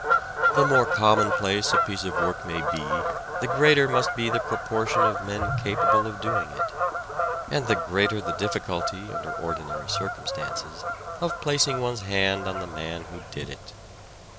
The more commonplace a piece of work may be the greater must be the proportion of men capable of doing it, and the greater the difficulty under ordinary circum stances of placing one's hand on the man who did it.